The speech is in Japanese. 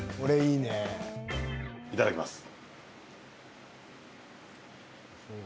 いただきます。